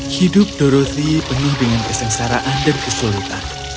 hidup dorothy penuh dengan kesengsaraan dan kesulitan